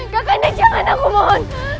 kakanda jangan aku mohon